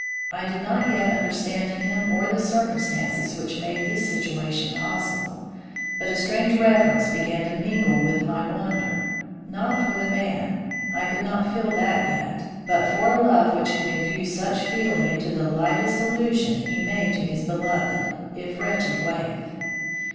I did not yet understand him or the circumstances which made this situation possible, but a strange reverence began to mingle with my wonder, not for the man I could not feel that yet; but for a love which could infuse such feeling into the lightest allusion he made to this beloved, if wretched waif.